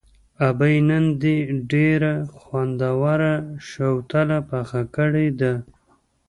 ابۍ نن دې ډېره خوندوره شوتله پخه کړې ده.